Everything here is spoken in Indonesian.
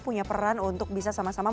punya peran untuk bisa sama sama